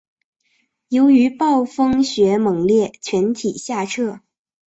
由于暴风雪猛烈全体下撤。